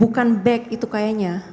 bukan back itu kayaknya